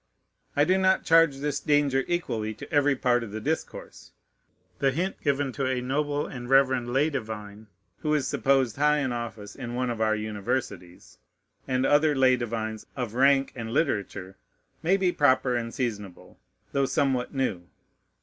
I do not charge this danger equally to every part of the discourse. The hint given to a noble and reverend lay divine, who is supposed high in office in one of our universities, and other lay divines "of rank and literature," may be proper and seasonable, though somewhat new.